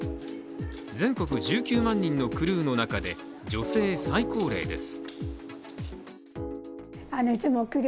全国１９万人のクルーの中で女性最高齢です。